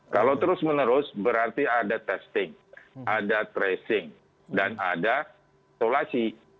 kalau terus menerus berarti ada testing ada tracing dan ada isolasi